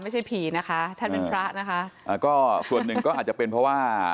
ไม่ใช่ผีนะคะท่านเป็นพระนะคะอ่าก็ส่วนหนึ่งก็อาจจะเป็นเพราะว่า